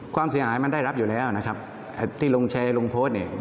ความเสียหายมันได้รับอยู่แล้วนะครับที่ลงแชร์ลงโพสต์เนี่ย